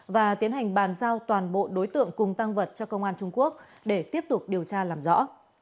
và tiến hành bàn giao toàn bộ đối tượng cùng tăng vật cho công an trung quốc để tiếp tục điều tra làm rõ